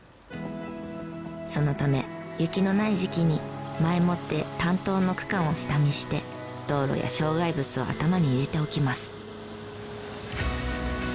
そのため雪のない時期に前もって担当の区間を下見して道路や障害物を頭に入れておきます。